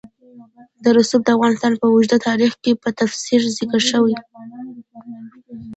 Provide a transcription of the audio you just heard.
رسوب د افغانستان په اوږده تاریخ کې په تفصیل ذکر شوی.